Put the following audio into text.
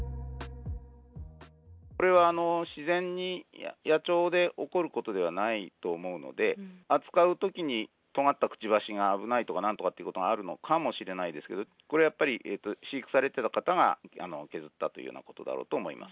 これは自然に、野鳥で起こることではないと思うので、扱うときに、とがったくちばしが危ないとかなんとかって言うことがあるかもしれないけど、これはやっぱり、飼育されてた方が削ったというようなことだろうと思います。